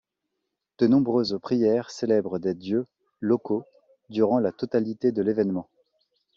De nombreuses prières célèbrent des Dieux locaux durant la totalité de l’événement.